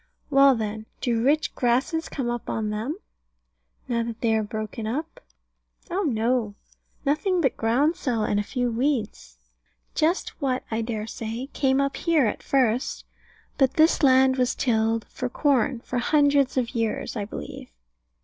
Well then, do rich grasses come up on them, now that they are broken up? Oh no, nothing but groundsel, and a few weeds. Just what, I dare say, came up here at first. But this land was tilled for corn, for hundreds of years, I believe.